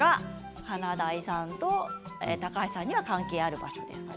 華大さんと高橋さんには関係ある場所ですよね。